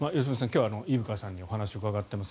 今日は伊深さんにお話を伺っています。